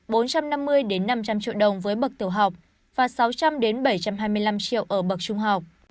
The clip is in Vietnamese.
bốn trăm năm mươi năm trăm linh triệu đồng với bậc tiểu học và sáu trăm linh bảy trăm hai mươi năm triệu ở bậc trung học